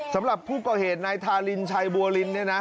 สำหรับผู้ก่อเหตุนายทารินชัยบัวลินเนี่ยนะ